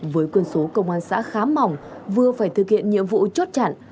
với quân số công an xã khá mỏng vừa phải thực hiện nhiệm vụ chốt chặn